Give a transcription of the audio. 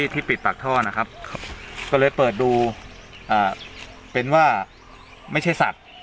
ที่ปิดปากท่อนะครับก็เลยเปิดดูเป็นว่าไม่ใช่สัตว์